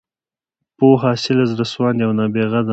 پوهه، اصیله، زړه سواندې او نابغه ده.